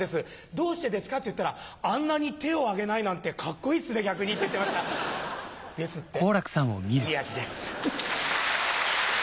「どうしてですか？」と言ったら「あんなに手を挙げないなんてカッコいいっすね逆に」って言ってましたですって宮治です。